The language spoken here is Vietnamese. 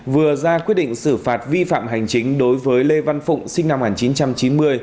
vừa ra quyết định xử phạt vi phạm hành chính đối với lê văn phụng sinh năm một nghìn chín trăm chín mươi